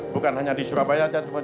bukan hanya di surabaya